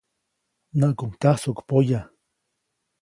Näʼkuŋ tyajsuʼk poya.